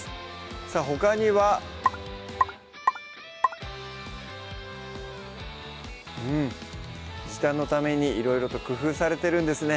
さぁほかにはうん時短のためにいろいろと工夫されてるんですね